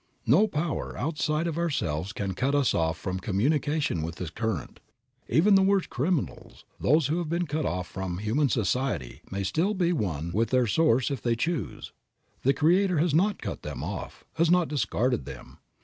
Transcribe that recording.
No power outside of ourselves can cut us off from communication with this current. Even the worst criminals, those who have been cut off from human society may still be one with their Source if they choose. The Creator has not cut them off, has not discarded them.